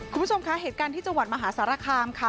คุณผู้ชมคะเหตุการณ์ที่จังหวัดมหาสารคามค่ะ